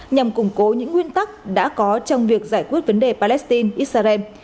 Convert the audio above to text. nhằm củng cố những nguyên tắc đã có trong việc giải quyết vấn đề palestine israel